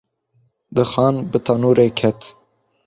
Dixan bi tenûrê ket.